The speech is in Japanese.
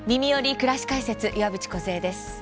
くらし解説」岩渕梢です。